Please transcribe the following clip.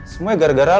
semuanya gara gara lo